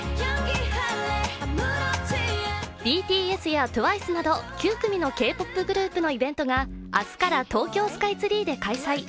ＢＴＳやＴＷＩＣＥなど９組のＫ−ＰＯＰグループのイベントが明日から東京スカイツリーで開催。